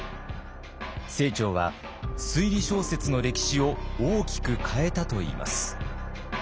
清張は推理小説の歴史を大きく変えたといいます。